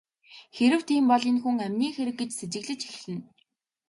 Хэрэв тийм бол энэ хүн амины хэрэг гэж сэжиглэж эхэлнэ.